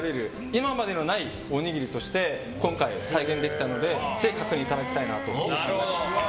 今までにないおにぎりとして今回、再現できたのでぜひ確認いただきたいなと思います。